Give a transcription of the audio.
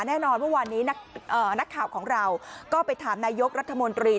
แน่นอนเมื่อวานนี้นักข่าวของเราก็ไปถามนายกรัฐมนตรี